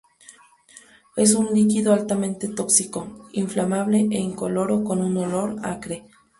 Es un líquido altamente tóxico, inflamable e incoloro con un olor acre.